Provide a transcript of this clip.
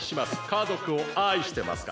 家族を愛してますか？